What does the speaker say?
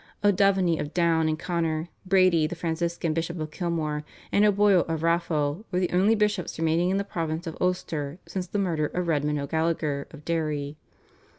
O'Devany of Down and Connor, Brady the Franciscan Bishop of Kilmore, and O'Boyle of Raphoe were the only bishops remaining in the province of Ulster since the murder of Redmond O'Gallagher of Derry.